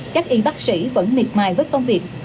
các y bác sĩ vẫn miệt mài với công việc